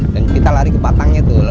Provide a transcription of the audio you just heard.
dan kita lari ke batangnya tuh